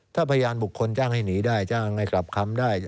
ถ้าพยานบุคคลจ้างให้หนีได้จ้างให้กลับคำได้